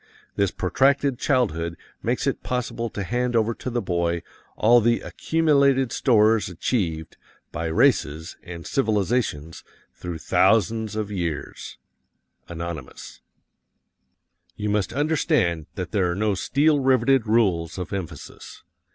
This protracted childhood makes it possible to hand over to the boy all the accumulated stores achieved by races and civilizations through thousands of years. Anonymous. You must understand that there are no steel riveted rules of emphasis.